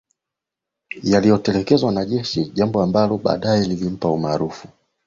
yaliyotekelezwa na jeshi jambo ambalo baadae lilimpatia umaarufu